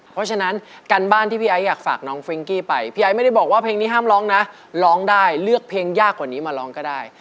เพราะฉะนั้นการบ้านที่พี่ไอ้อยากฝากน้องฟิงกี้ไปพี่ไอ้ไม่ได้บอกว่าเพลงนี้ห้ามร้องนะร้องได้เลือกเพลงยากกว่านี้มาร้องก็ได้